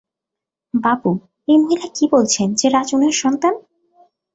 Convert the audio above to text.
বাবু, এই মহিলা কী বলছেন যে, রাজ উনার সন্তান।